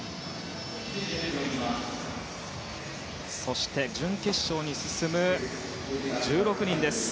そして準決勝に進む１６人です。